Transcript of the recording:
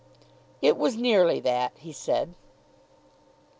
"It was nearly that," he said.